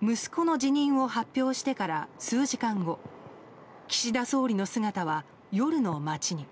息子の辞任を発表してから数時間後岸田総理の姿は、夜の街に。